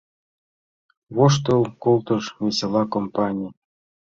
— воштыл колтыш весела компаний.